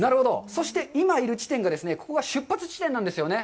そして、今いる地点がここが出発地点なんですよね。